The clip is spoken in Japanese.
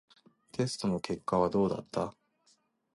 テストの結果はどうだった？